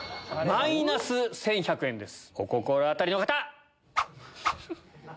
マイナス１１００円です。